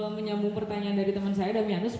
menyambung pertanyaan dari teman saya damianus